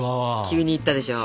急にいったでしょ。